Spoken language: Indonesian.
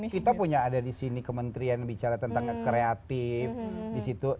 kita punya ada disini kementrian bicara tentang kreatif disitu